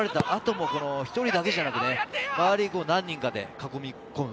あとも、１人だけではなく、周りに何名かで囲み込む。